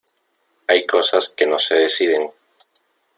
hay cosas que no se deciden.